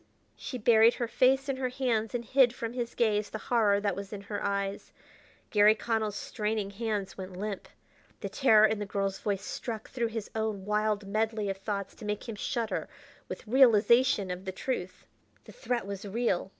She buried her face in her hands to hide from his gaze the horror that was in her eyes. Garry Connell's straining hands went limp. The terror in the girl's voice struck through his own wild medley of thoughts to make him shudder with realization of the truth. The threat was real!